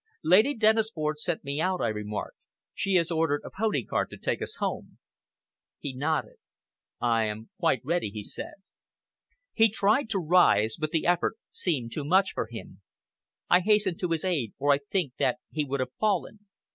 "Lady Dennisford sent me out," I remarked, "She has ordered a pony cart to take us home." He nodded. "I am quite ready," he said. He tried to rise, but the effort seemed too much for him. I hastened to his aid, or I think that he would have fallen.